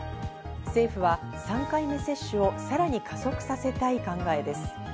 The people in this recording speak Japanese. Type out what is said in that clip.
政府は３回目接種をさらに加速させたい考えです。